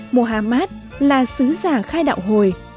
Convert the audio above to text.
muhammad là sứ giả khai đạo hồi